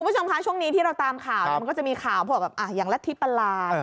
คุณผู้ชมคะช่วงนี้ที่เราตามข่าวมันก็จะมีข่าวพวกแบบอย่างรัฐธิประหลาด